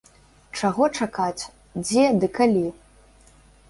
Чаго чакаць, дзе ды калі?